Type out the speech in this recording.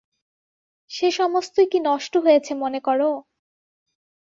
সে-সমস্তই কি নষ্ট হয়েছে মনে কর?